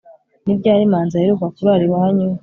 ni ryari manzi aheruka kurara iwanyu